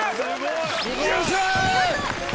よっしゃー！